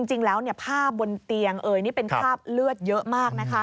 จริงแล้วภาพบนเตียงเป็นฆ่าเลือดเยอะมาก